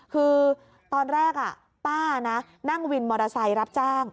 คือตอนแรกป้านะนั่งวินมอเตอร์ไซค์รับจ้าง